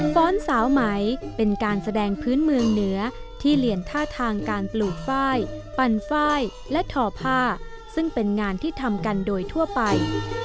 ้อนสาวไหมเป็นการแสดงพื้นเมืองเหนือที่เรียนท่าทางการปลูกฝ้ายปั่นฝ้ายและทอผ้าซึ่งเป็นงานที่ทำกันโดยทั่วไป